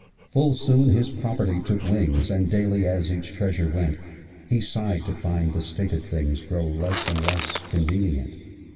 Full soon his property took wings: And daily, as each treasure went, He sighed to find the state of things Grow less and less convenient.